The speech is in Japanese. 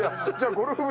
ゴルフ部？